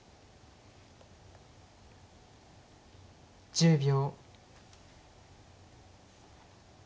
１０秒。